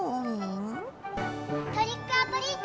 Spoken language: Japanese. ・トリックオアトリート！